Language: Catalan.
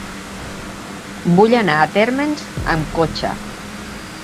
Vull anar a Térmens amb cotxe.